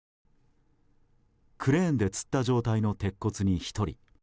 クレーンでつった状態の鉄骨に１人。